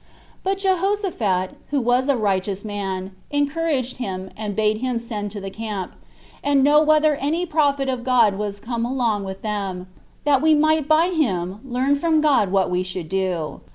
But Jehoshaphat, who was a righteous man, encouraged him, and bade him send to the camp, and know whether any prophet of God was come along with them, that we might by him learn from God what we should do.